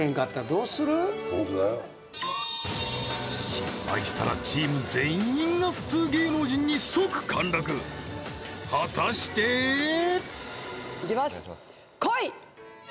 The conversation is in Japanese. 失敗したらチーム全員が普通芸能人に即陥落果たしていきますこい！